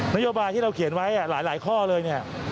นโยบายที่เราเขียนไว้หลายข้อเลยเนี่ย